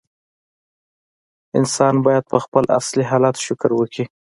انسان باید په خپل اصلي حالت شکر وکړي.